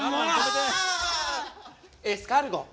エスカルゴ！